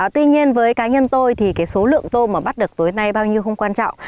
tuy nhiên với cá nhân tôi thì cái số lượng tôm mà bắt được tối nay bao nhiêu không quan trọng